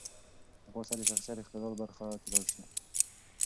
غوسه د شخصیت اختلال برخه کېدای شي.